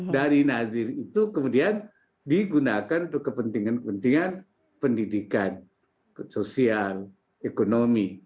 dari nazir itu kemudian digunakan untuk kepentingan kepentingan pendidikan sosial ekonomi